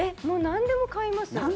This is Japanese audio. もうなんでも買いますよ。